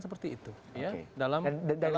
seperti itu oke dan dalam dan dalam